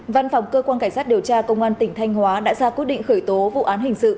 văn phòng cơ quan cảnh sát điều tra công an tỉnh thanh hóa đã ra quyết định khởi tố vụ án hình sự